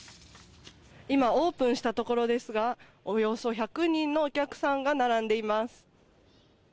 今、オープンしたところですがおよそ１００人のお客さんが並んでいます。